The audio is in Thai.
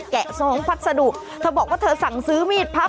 แกะซองพัสดุเธอบอกว่าเธอสั่งซื้อมีดพับ